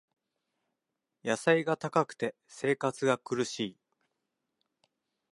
野菜が高くて生活が苦しい